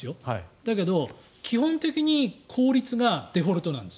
だけど、基本的に公立がデフォルトなんです。